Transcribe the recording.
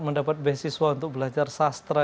mendapat beasiswa untuk belajar sastra